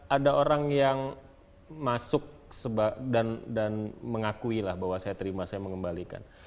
ada orang yang masuk dan mengakuilah bahwa saya terima saya mengembalikan